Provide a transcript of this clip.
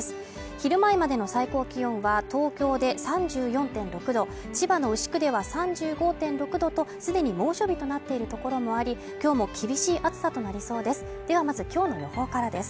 昼前までの最高気温は東京で３４．６度千葉の牛久では３５．６度とすでに猛暑日となっている所もありきょうも厳しい暑さとなりそうですではまずきょうの予報からです